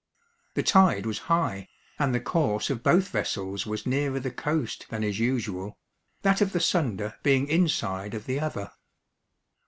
The tide was high, and the course of both vessels was nearer the coast than is usual that of the Sunda being inside of the other.